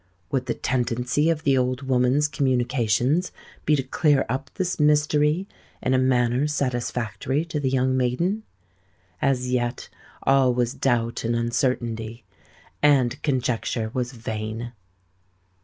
Would the tendency of the old woman's communications be to clear up this mystery in a manner satisfactory to the young maiden? As yet all was doubt and uncertainty; and conjecture was vain!